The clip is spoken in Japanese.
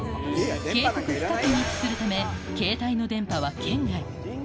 渓谷深くに位置するため、携帯の電波は圏外。